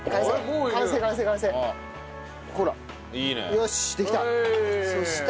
よしできた！